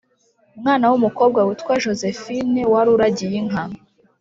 mwana w umukobwa witwa Josephine wari uragiye inka